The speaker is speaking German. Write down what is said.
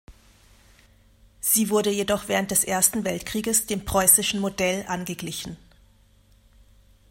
Sie wurde jedoch während des Ersten Weltkrieges dem preußischen Modell angeglichen.